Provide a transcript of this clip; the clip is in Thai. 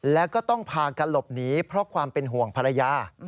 แล้วก็ต้องพากันหลบหนีเพราะความเป็นห่วงภรรยา